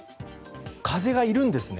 風がいるんですね。